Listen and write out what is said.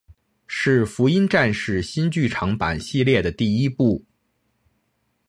是福音战士新剧场版系列的第一部。